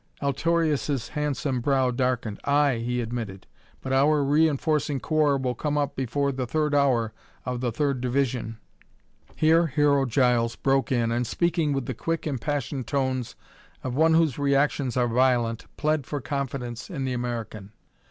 Altorius' handsome brow darkened. "Aye," he admitted, "but our reinforcing corps will come up before the third hour of the third division." Here Hero Giles broke in and, speaking with the quick, impassioned tones of one whose reactions are violent, pled for confidence in the American.